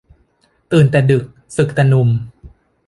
ตื่นแต่ดึก สึกแต่หนุ่ม